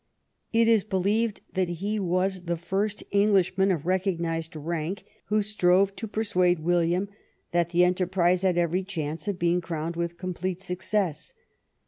It is believed that he was the first Englishman of recognized rank who strove to persuade William that the enterprise had every chance of being crowned with complete success.